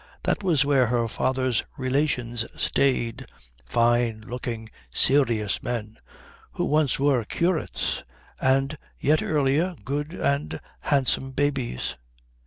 That was where her father's relations stayed, fine looking serious men who once were curates and, yet earlier, good and handsome babies.